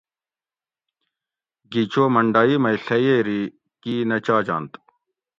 گِھیچو منڈائی مئی ڷِئیری کی نہ چاجنت